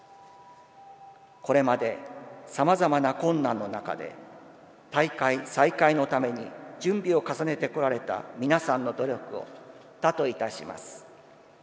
これまで、様々な困難の中で大会再開のために準備を重ねてこられた皆さんの努力を多といたします。